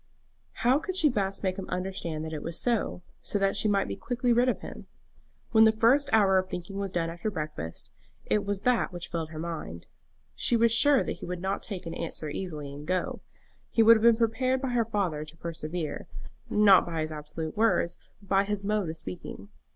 How could she best make him understand that it was so, so that she might be quickly rid of him? When the first hour of thinking was done after breakfast, it was that which filled her mind. She was sure that he would not take an answer easily and go. He would have been prepared by her father to persevere, not by his absolute words, but by his mode of speaking.